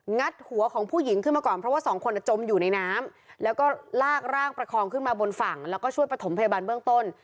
ัดหัวของผู้หญิงขึ้นมาก่อนเพราะว่าสองคนจมอยู่ในน้ำแล้วก็ลากร่างประคองขึ้นมาบนฝั่งแล้วก็ช่วยประถมพยาบาลเบื้องต้น